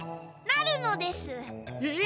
なるのです。え？